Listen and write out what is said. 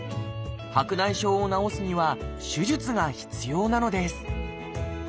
白内障を治すには手術が必要なのです。